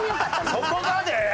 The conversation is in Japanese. そこまで？